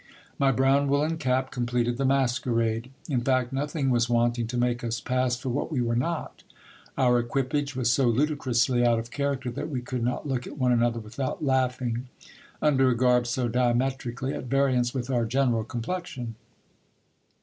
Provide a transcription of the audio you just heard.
My brown woollen cap completed the masquerade. In fact, nothing was wanting to make us pass for what we were not. Our equipage was so ludicrously out of character, that we could not look at one another without laughing, under a garb so diametrically at variance with our general complexion.